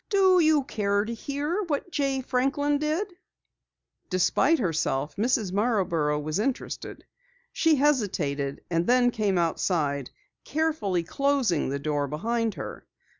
"Do you care to hear what Jay Franklin did?" Despite herself, Mrs. Marborough was interested. She hesitated, and then came outside, carefully closing the door behind her.